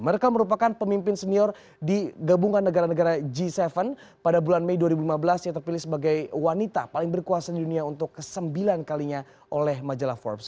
mereka merupakan pemimpin senior di gabungan negara negara g tujuh pada bulan mei dua ribu lima belas yang terpilih sebagai wanita paling berkuasa di dunia untuk kesembilan kalinya oleh majalah forbes